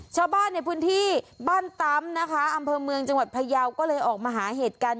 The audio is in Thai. ชาวบ้านในพื้นที่บ้านตำนะคะอำเภอเมืองจังหวัดพยาวก็เลยออกมาหาเหตุการณ์